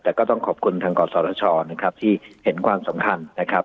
แต่ก็ต้องขอบคุณทางกศชนะครับที่เห็นความสำคัญนะครับ